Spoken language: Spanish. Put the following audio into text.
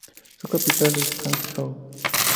Su capital es Hangzhou.